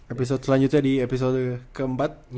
episode selanjutnya di episode keempat